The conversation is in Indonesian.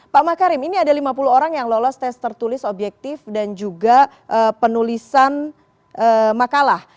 pak makarim ini ada lima puluh orang yang lolos tes tertulis objektif dan juga penulisan makalah